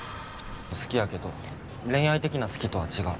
好きやけど恋愛的な好きとは違う。